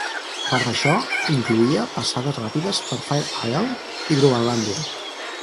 Part d'això incloïa passades ràpides per Fair Isle i Groenlàndia.